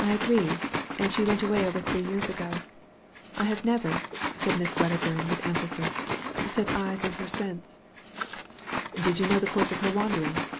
I agreed, and she went away over three years ago. I have never," said Miss Wedderbum, .with emphasis, " set tyea on her since." "Did you know the course of her wanderings?"